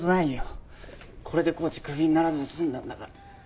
これでコーチクビにならずに済んだんだから。